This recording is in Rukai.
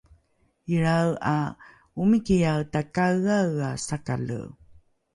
ilrae ’a omikiae takaeaea sakale